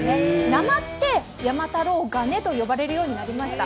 なまって山太郎ガネと呼ばれるようになりました。